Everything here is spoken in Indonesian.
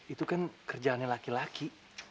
itu kan kerjaannya laki laki